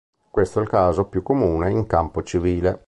Questo è il caso più comune in campo civile.